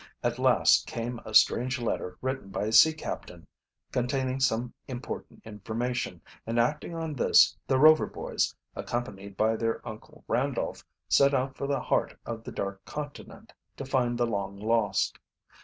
At last came a strange letter written by a sea captain, containing some important information, and acting on this the Rover boys, accompanied by their Uncle Randolph, set out for the heart of the Dark Continent to find the long lost.